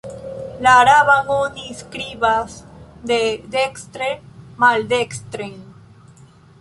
La araban oni skribas de dekstre maldekstren.